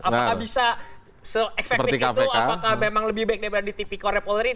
apakah bisa se expecting itu apakah memang lebih baik dari tv korea polri